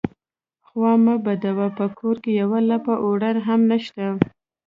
_خوا مه بدوه، په کور کې يوه لپه اوړه هم نشته.